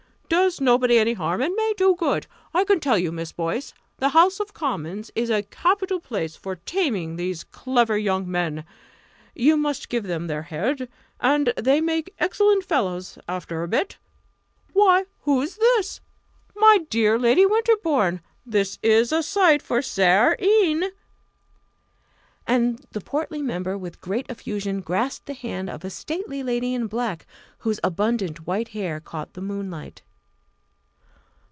"Does nobody any harm and may do good. I can tell you, Miss Boyce, the House of Commons is a capital place for taming these clever young men! you must give them their head and they make excellent fellows after a bit. Why who's this? My dear Lady Winterbourne! this is a sight for sair een!" And the portly member with great effusion grasped the hand of a stately lady in black, whose abundant white hair caught the moonlight.